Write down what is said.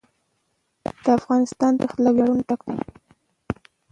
د افغانستان تاریخ له ویاړونو ډک دی.